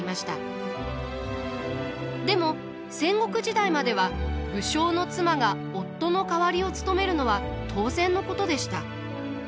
でも戦国時代までは武将の妻が夫の代わりを務めるのは当然のことでした。